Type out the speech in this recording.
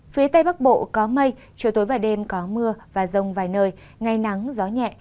phía tây bắc bộ có mây chiều tối và đêm có mưa và rông vài nơi ngày nắng gió nhẹ